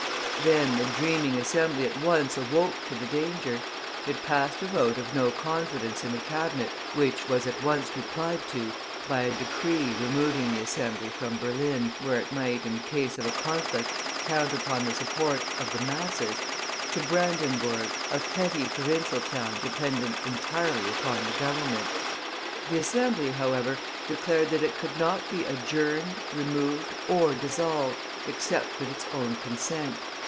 Then the dreaming Assembly at once awoke to the danger; it passed a vote of no confidence in the Cabinet, which was at once replied to by a decree removing the Assembly from Berlin, where it might, in case of a conflict, count upon the support of the masses, to Brandenburg, a petty provincial town dependent entirely upon the Government. The Assembly, however, declared that it could not be adjourned, removed or dissolved, except with its own consent.